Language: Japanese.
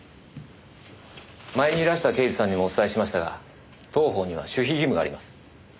前にいらした刑事さんにもお伝えしましたが当方には守秘義務があります。